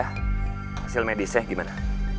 hasil medisnya gimana